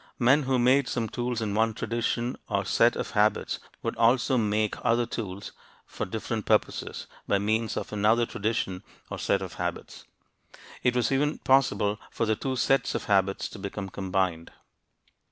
Men who made some tools in one tradition or set of habits would also make other tools for different purposes by means of another tradition or set of habits. It was even possible for the two sets of habits to become combined.